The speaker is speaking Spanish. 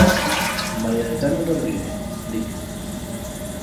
María del Carmen Rodríguez, Lic.